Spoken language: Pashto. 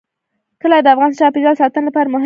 کلي د افغانستان د چاپیریال ساتنې لپاره مهم دي.